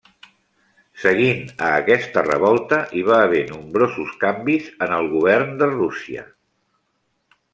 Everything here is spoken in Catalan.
Seguint a aquesta revolta, hi va haver nombrosos canvis en el govern de Rússia.